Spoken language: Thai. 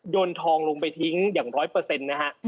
นทองลงไปทิ้งอย่างร้อยเปอร์เซ็นต์นะฮะ